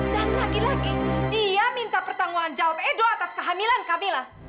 dan lagi lagi dia minta pertanggung jawab edo atas kehamilan kamila